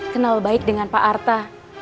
kenal baik dengan pak arta